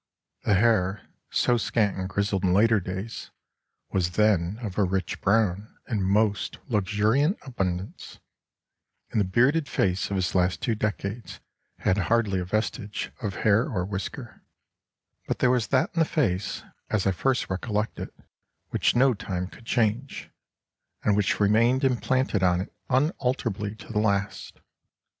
The hair so scant and grizzled in later days was then of a rich brown and most luxuriant abundance, and the bearded face of his last two decades had hardly a vestige of hair or whisker; but there was that in the face as I first recollect it which no time could change, and which remained implanted on it unalterably to the last.